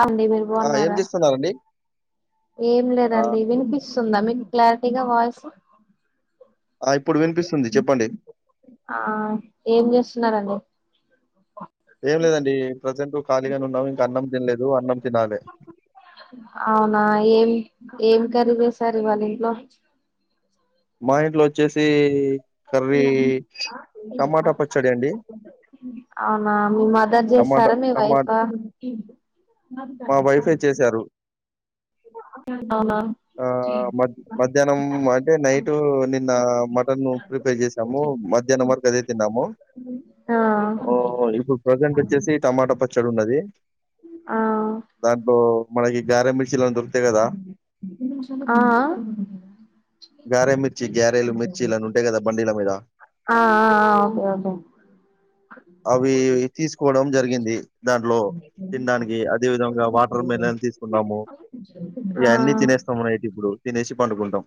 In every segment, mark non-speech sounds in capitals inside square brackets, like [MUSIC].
అవుండి మీరు ఆ! ఏం బాన్నారా చేస్తున్నారండి? ఏం ఆ! లేదండి వినిపిస్తుందా మీకు క్లారిటీగా వాయిస్ ఆ! ఇప్పుడు వినిపిస్తుంది చెప్పండి. ఆ ఏం చేస్తున్నారంండి ఏం లేదండి ప్రజెంట్ ఖాళీగానే ఉన్నాం ఇంకా అన్నం తినలేదు అన్నం తినాలే అవునా ఏం ఏం కర్రీ చేస్తారు ఇవ్వాళా ఇంట్లో మా ఇంట్లో వచ్చేసి కర్రీ టమాటా పచ్చడి అండి. అవునా మీ మదర్ చేస్త టమాటా రా మీ టమా వైఫ్ ఆ మా వైఫే చేశారు ఆ మ మధ్యాహ్నం అంటే నయిట్ ఇటు నిన్న మటన్ ప్రిపేర్ చేసాము మధ్యాహ్నం వరకు అదే తిన్నాము ఆ ఓ ఇప్పుడు ప్రజెంట్ వచ్చేసి టమోటో పచ్చ చ్చడి ఉన్నది ఆ దాంట్లో మనకి గారే మీ ఆ ఆ గారేమిర్చి గేర్లుమిర్చి అవీ ఉంటాయి కదా మీద బండిలా మీద ఆఓకే ఓకే అవి తీసుకోవడం జరిగింది దాంట్లో తినడానికి అదే విధంగా వాటర్ ఓకే మెలన్ తీసు న్నాము ఆ ఇవన్నీ తినేస్తామున్నా ఇప్పుడు తినేసి పండుకుంటాం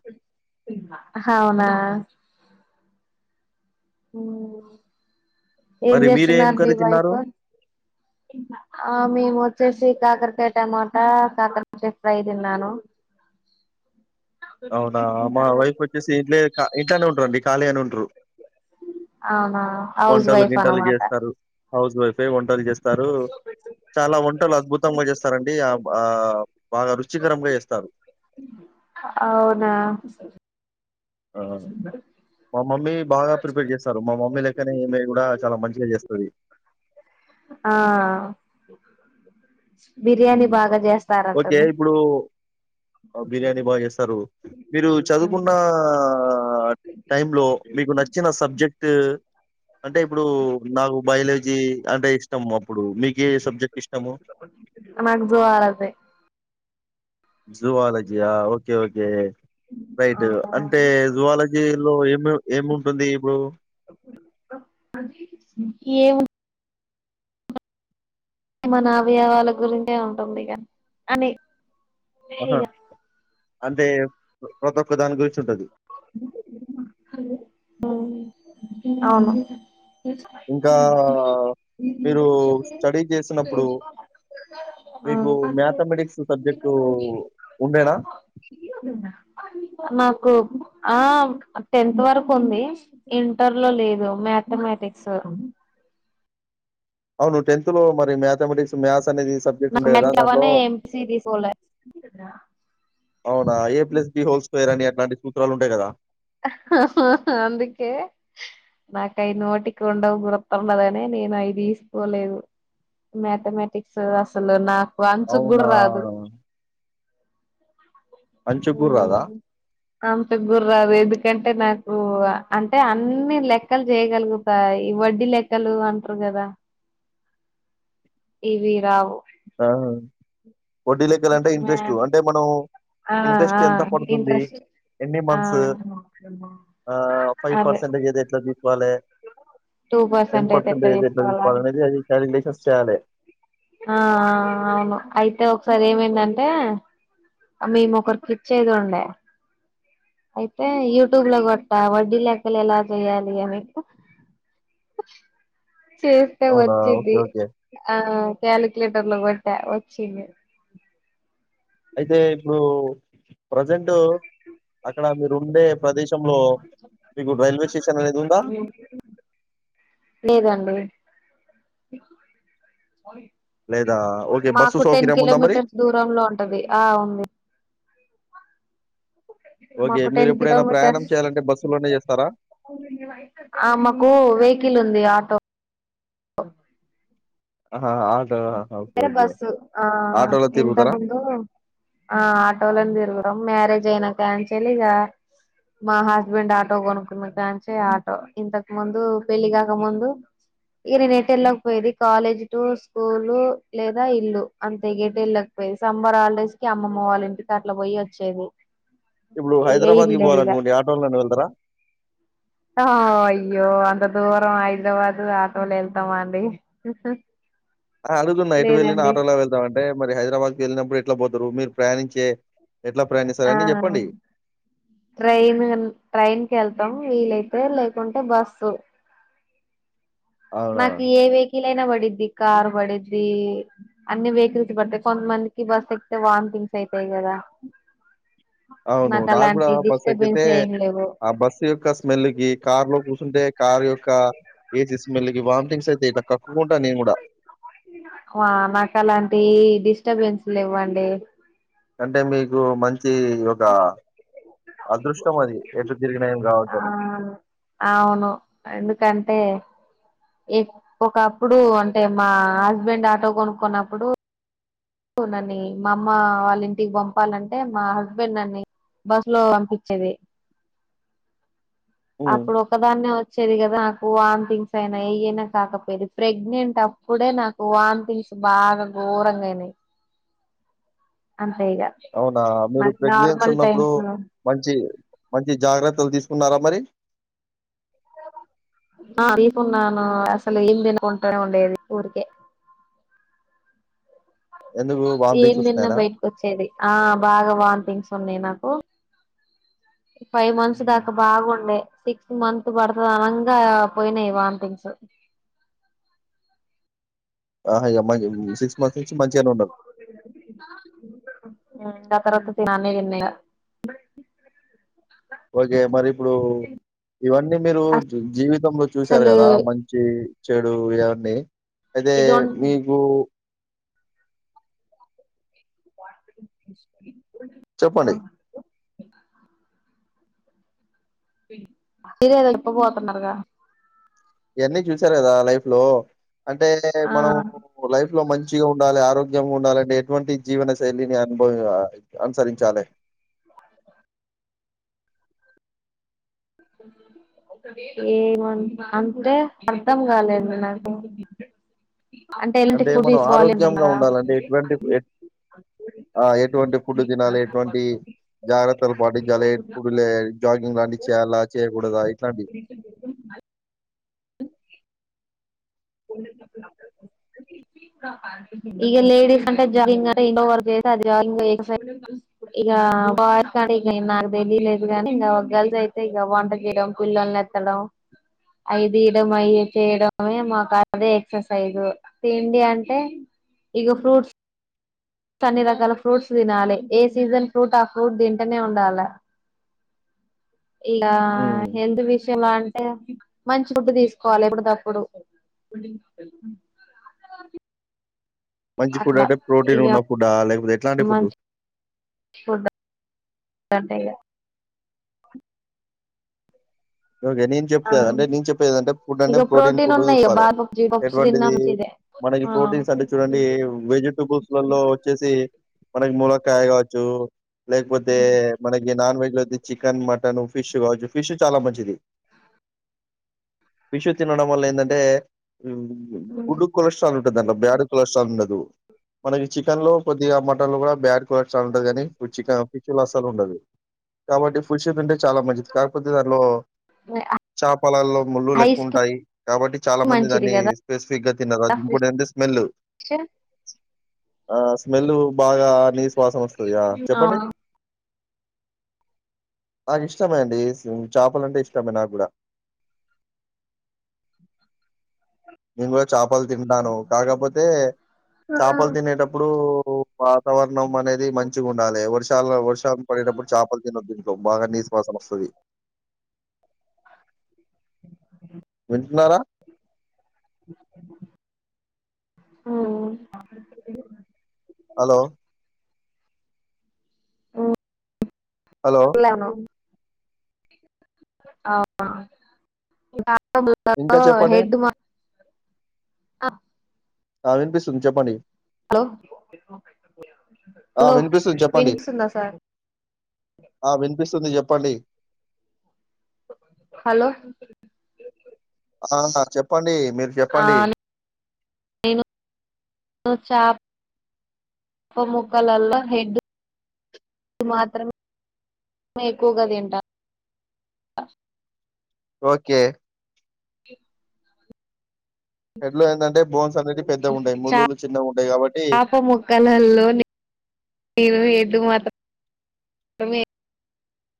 హవునా ఉ ఏం మరి మీరేం చేస్తున్నారు మీ కర్రీ తిన్నారు? వైఫై ఆ మేము వచ్చేసి కాకరకాయ టమాటా కాకరకాయ ఫ్రై తిన్నాను అవునా మా వైఫ్ వచ్చేసి ఇంట్లే ఇంట్లోనే ఉంటారంండి ఖాళీ గానే ఉంటారు అవునా హౌస్ వంటలు వైఫ్ గింటలు అనమాట చేస్తారు హౌస్ వైఫ్ లు చేస్తారు చాలా వంటలు అద్భుతంగా చేస్తారండి ఆ బాగా రుచికరంగా చేస్తారు అవునా ఆ మా మమ్మీ బాగా ప్రిపేర్ చేస్తారు మా మమ్మీ మమ్మీ లెక్కనే ఈమె కూడా చాలా మంచిగా చేస్తాది ఆ బిర్యానీ బాగా ఓకే చేస్తారంటుంది ఇప్పుడు బిర్యానీ బాగా చేస్తారు మీరు చదువుకున్న ఆ టైంలో మీకు నచ్చిన సబ్జెక్ట్ ట్ అంటే ఇప్పుడు నాకు బయాలజీ అంటే ఇష్టాము అప్పుడు మీక ఏ సబ్జెక్ట్ ఇష్టాము నాకు జూవాలజీ జూవాలజీ ఆ ఓకే ఓకే రైట్ అంటే జువాలజీ లో ఏమి ఏమి ఉంటుంది ఇప్పుడు ఏ మన అవయవాల గురించే ఉంటుంది ఇగ అని ఆహా అంటే ప్రతి ఒక్క దాని గురించి ఉంటది ఉమ్ అవును ఇంకా మీరు స్టడీ చేసినప్పుడు మీకు మ్యాథమెటిక్స్ సబ్జెక్టు ఉండేనా నాకు ఆ టెన్త్ వరకు ఉంది ఇంటర్ లో లేదు మ్యాథమెటిక్స్ అ అవును టెన్త్ లో మరి మ్యాథమెటిక్స్ మ్యాథ్స్ అనేది సబ్జెక్ట్ నాకు ఉండే కదా దానిలో మెట్టవనే ఎంపీసీ తీసుకోలే అవునా A plus B whole square అని అట్లాంటి సూత్రాలు ఉంటాయి కదా అందుకే నాకయి నోటికి ఉండవు, గురతండదనే నేను అయి తీసికోలేదు. మ్యాథమెటిక్స్ అసలు నాకు అంచుకు అవునా గుడా రాదు అంచుక్ కూడా రాదా అంచుక్ కూడా రాలేదు ఎందుకంటే! నాకు అంటే అన్ని లెక్కలు చేయగలుగుతా, ఈ వడ్డీ లెక్కలు అంటార్. గదా ఇవి రావు ఆ వడ్డీ లెక్కాలంటే ఇంట్రెస్ట్ అంటే మనం ఆ ఆ ఇంట్రెస్ట్ ఎంత పడుతుంది ఇంట్రెస్ట్ ఎన్ని ఆ మంత్స్ ఆ ఫైవ్ అదే పర్సెంటేజ్ ఏది ఎట్లా తీకోవాలె టూ టెన్ పర్సెంట్ అయితే ఎట్లా పర్సంటేజ్ ఎ [UNINTELLIGIBLE] తీసుకోవాలా తీసుకోవాలనేది అనేది అది కాలిక్యలేషన్స్ చేయాలి ఆ అవును అయితే ఒకసారి ఏమైందంటే మేము ఒకరికి ఇచ్చేదుండే అయితే యూట్యూబ్ లో గొట్ట వడ్డీ లెక్కలు ఎలా చెయాలియా అని. చేస్తే అవునా! ఓకే. వచ్చిది ఓకే. ఆ కాలిక్యలేటర్ లో గొట్ట వచ్చింది. అయితే ఇప్పుడు ప్రజెంటు అక్కడ మీరు ఉండే ప్రదేశంలో మీకు రైల్వే స్టేషన్ అనేది ఉందా? లేదండి లేదా? ఓకే. [INAUDIBLE] బస్సు మాకు టెన్ సౌకర్యం ఉందా మరి? కిలోమీటర్స్ దూరంలో ఉంటది, ఆ ఉంది. ఓకే మాకు మీరు టెన్ ఎప్పుడైనా ప్రయాణం చేయాలంటే బస్సులోనే చేస్తారా ఆ మాకు వెహికల్ ఉంది ఆటో ఆహా ఆటో ఆహా! Okay [INAUDIBLE] okay. బస్సు ఆ ఆటోలో తిరుగుతారా? ఎంతగుందొ ఆ ఆటోలను తిరగుతం మ్యారేజ్ అయినా క్యాన్ చేల్లిగా మా హస్బెండ్ ఆటో కొనుక్కున్న దంచే, ఆటో ఇంతకు ముందు పెళ్లి కాక ముందు. ఈగ నేను ఎట్ వెళ్ళకపోయేది కాలేజ్ టూర్స్ స్కూలు లేదా ఇల్లు అంతే. ఎటు ఎల్లకపోయేది సంబర్ హాలిడేస్ కి అమ్మమ్మ వాళ్ళ ఇంటికి అట్లా పోయి. చ్చేది ఇప్పుడు హైదరాబాద్కి పోవాలనుకోండి ఆటోలోనే వెళ్తారా ఆ అయ్యో అంత దూరం హైదరాబాదు ఆటోలో వెళ్తామా అండి [UNINTELLIGIBLE] అడుగుతున్నా? ఎటు వెళ్ళిన లేదండి ఆటోలో వెళ్తాము అంటే మరి హైదరాబాద్కి వెళ్ళినప్పుడు, ఎట్లా పోతారు మీరు ప్రయాణించే. ఎట్లా ప్రయాణిస్తారు? ఆ అన్నీ చెప్పండి. ట్రైన్, ట్రైన్ కేళ్తాం వీలై. టె లేకుంటే బస్సు అవునా? నాకు ఏ వెకిలైయినా పడిద్ది కార్ పడిద్ది అన్ని వెహికల్స్ పడతాయి, కొంత మందికి బస్ ఎక్తే వార్న్థింగ్స్ అయితయి గదా. అవును, నా కూడా అలాంటి బస్ ఎక్కితే డిస్టర్బెన్స్ ఏం లేవు ఆ బస్సు యొక్క స్మెల్ కి కార్ లో కూ. తుంటే కారు యొక్క ఏసీ స్మెల్ కి వామిటింగ్స్ అయితే ఇట్లా కక్కు ఆ నాకలాంటి డిస్టర్బెన్స్ల లేవ్వండి. అంటే మీకు మంచి ఒక అదృష్టం అది ఎం. [UNINTELLIGIBLE] ఆ అవును ఎందుకంటే ఎ ఒకప్పుడు అంటే మా హస్బెండ్ ఆటో కొనుకున్నప్పుడు. [INAUDIBLE] నన్ని మా అమ్మ వాళ్ళి ఇంటికి పంపాలంటే మా హస్బెండ్ నన్ని. బస్ లో అంపిచేది హ్మ్. అప్పుడు ఒకదాన్నే వచ్చేది గదా వాథింగ్స్ అయినా ఏయయినా, కాకపోయది ప్రెగ్నెంట్ అప్పుడే నాకు వాథింగ్స్ బాగా గు. ఘోరంగానై ఇగ అవునా మీరు నాకు ప్రెగ్నెన్స్ నార్మల్ ఉన్నప్పుడు టైమ్స్ మంచి మంచి జాగ్రత్తలు తీసుకున్నారా మరి తీకున్నాను అసలు ఏం తినుకుంటా ఉండేది ఊరికే ఎందుకు ఏం వామిటింగ్స్ తిన్న వస్తున్నాయనా? బయటికి వచ్చేది ఆ బాగా వాంథింగ్స్ న్నాయి నాకు ఫైవ్ మంత్స్ హ్మ్. దాకా బాగుండే సిక్స్ మంత్ పడుతది అనంగా పోయినాయి వాంథింగ్స్ ఆ ఇగ మంచి సిక్స్ మంత్స్ నుంచి మంచిగానే ఉన్నరు ఆ తర్వాత అన్ని తిన్న ఇంగ ఓకే మరి ఇప్పుడు ఇవన్నీ మీరు జీవితంలో చూసారు అసలు కదా మంచి చెడు ఇవన్నీ అయితే ఇదొ మీకు వా జ చెప్పండి మీరేదడప్ప పోతున్నారుగా ఇవన్నీ చూసారు కదా లైఫ్ లో అంటే ఆ మనము లైఫ్ లో మంచిగా ఉండాలి ఆరోగ్యంగా ఉండాలంటే ఎటువంటి జీవన శైలిని అనుభవ అనుసరించాలి అ ఏమ అంటే అర్ధం కాలేదు నాకు ఎలాంటి అంటే ఫుడ్ మనం తీసుకోవాలి ఆరోగ్యంగా అంటున్నారా ఉండాలంటే ఎటువంటి ఎట్ ఆ ఎటువంటి ఫుడ్ తినాలి ఎటువంటి జాగ్రత్తలు పాటించాలి ఫుడ్ లే జాగింగ్ లాంటివి చేయాలా చేయకూడదా ఇట్లాంటివి గురి వె అల్ పోప్పు ఇగ లేడీస్ అంటే జగింగ్ అంటే ఇంట్లో వర్క్ చేతే అది జగింగ్ ఎక్సర్సైజ్ ఇగ ఆ బాయ్స్ అంటే ఇగ నాకు తెలిలేదు కానీ ఇగ గర్ల్స్ అయితే ఇగ వంట చేయడం పిల్లల్ని ఎత్తడం అవి తీయడం అయ చేయడమే మాకు అదే ఎక్సర్సైజ్ తిండి అంటే ఇగ ఫ్రూట్స్ స్ అన్ని రకాల ఫ్రూట్స్ తినాలి ఏ సీజన్ ఫ్రూట్ ఆ ఫ్రూట్ తింటనే ఉండాలా అవు ఇగా ఉమ్. హెల్త్ విషయం అంటే మంచి ఫుడ్ తీసుకోవాలి ఎప్పుడు ది అప్పుడు పలి మంచి ఫుడ్ అంటే ప్రోటీన్ ఉన్న ఫుడ్డా లేకపోతే ఎట్లాంటి ఫుడ్డు మంచి ఫుడ్ అంటే ఇగ ఓకే నేను ఆ చెప్త్ అంటే నేను చెప్పేదంటే ఫుడ్ అంటే ఇక ప్రోటీన్ ఫుడ్ ఉన్నాయి ఇక తీసుకోవాలే బాదపప్పు జీడిపప్పు తిన్నా ఎటువంటిది మంచిదే మనకి ప్రోటీన్స్ అంటే చూడండి వెజిటబుల్స్ లలో వచ్చేసి మనకి మూలకాయ కావచ్చు లేకపోతే మనకి నాన్ వెజ్ లేతే చికెన్ మటన్ ఫిష్ కావచ్చు ఫిష్ చాలా మంచి ది ఫిష్ తినడం వల్ల ఏందంటే మ్ గుడ్ కొలెస్ట్రాల్ ఉంటది దాంట్లో బ్యాడ్ కొలెస్ట్రాల్ ఉండదు మనకి చికెన్ లో కొద్దిగా మటన్ లో కూడా బ్యాడ్ కొలస్ట్రాల్ ఉంటది కాని చికెన్ ఫిష్ లో అసలు ఉండదు కాబట్టి ఫిష్ తింటే చాలా మంచిది కాకపోతే దా నె అ చాపలల్లో ముళ్ళలు ఎక్కువ ఉంటాయి కాబట్టి చాలా మంది మంచిది దాన్ని కదా స్పెసిఫిక్ గా తినరు అది ఇంకో ఏ తేళ్ళు చ ఆ స్మెల్ బాగా నిస్వాసన వస్తదిగా ఆ చెప్పండి నాకు ఇష్టమే అండి స్ చేపలంటే ఇష్ ష్టమే నాగూడ నెంగూడ చపలు తింటాను కాకపోతే చపలు తినేటప్పుడు వాతావరణం అనేది మంచిగా ఉండాలి వర్షాలు వర్షాలు పడేటప్పుడు చపలు తినొద్దు గోబాగా నిస్వాసనొస్తాధి వింటన్నారా ఉమ్ హలో హలో లేను ఆహా ఇకా ఇంకా [UNINTELLIGIBLE] చెప్పండి హెడ్ మా ఆ వినిపిస్తుంది చెప్పండి హలో ఆ హలో వినిపిస్తుంది చెప్పండి వినిపిస్తుందా సార్ ఆ వినిపిస్తుంది చెప్పండి హలో ఆ చెప్పండి మీరు చెప్పండి [UNINTELLIGIBLE] చాప్ప ముక్కలల్లో హెడ్ ఇ మాత్రమే ఎక్కువగా తింటా ఓకే హెడ్లో ఏంటంటే బోన్స్ అనేది పెద్దగా ఉంటాయి ముళ్ళులు చిన్నగా ఉంటాయి కాబట్టి పాపముక్కలల్లోని ఏవో ఎడ్లు మాత్ మే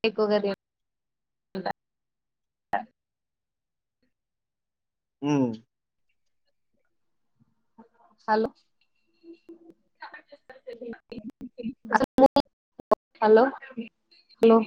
ఎక్కువగ తింటా అ ఉమ్ హలో [UNINTELLIGIBLE] హలో హలో